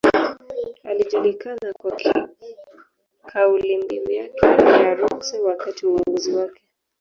Alijulikana kwa kaulimbiu yake ya Ruksa wakati wa uongozi wake